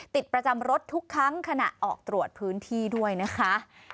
ติดประจำรถทุกครั้งขณะออกตรวจพื้นที่ด้วยนะคะ